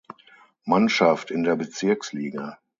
Mannschaft in der Bezirksliga.